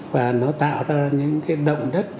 và nó tạo ra những cái động đất